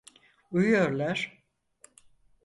Uyuyorlar.